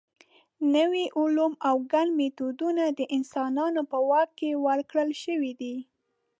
نوي علوم او ګڼ میتودونه د انسانانو په واک کې ورکړل شوي دي.